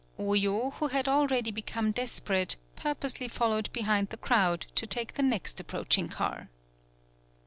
Oyo, who had already become des perate, purposely followed behind the crowd, to take the next approaching car.